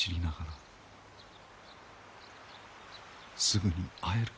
すぐに会える。